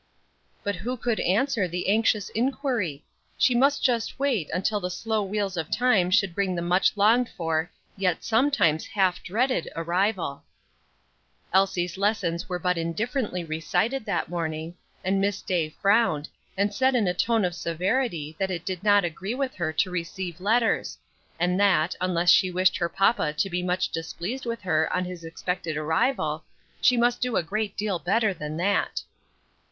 But who could answer the anxious inquiry? She must just wait until the slow wheels of time should bring the much longed for, yet sometimes half dreaded arrival. Elsie's lessons were but indifferently recited that morning, and Miss Day frowned, and said in a tone of severity that it did not agree with her to receive letters; and that, unless she wished her papa to be much displeased with her on his expected arrival, she must do a great deal better than that.